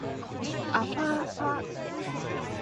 あふぁふぁ